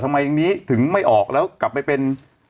อย่างนี้ถึงไม่ออกแล้วกลับไปเป็น